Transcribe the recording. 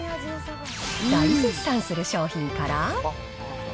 大絶賛する商品から。